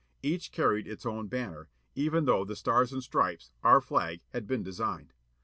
Each carried its own banner, even though the Stars and Stripes, our flag, had been designed.